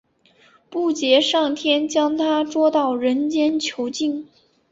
布杰上天将它捉到人间囚禁。